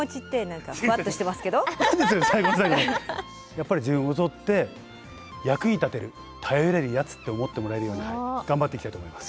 やっぱり自分も取って役に立てる頼れるヤツって思ってもらえるように頑張っていきたいと思います。